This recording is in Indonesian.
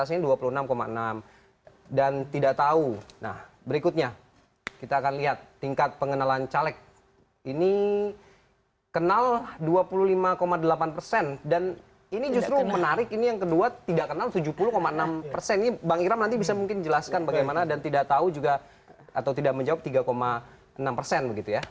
ini mbak ikrama nanti bisa mungkin jelaskan bagaimana dan tidak tahu juga atau tidak menjawab tiga enam persen begitu ya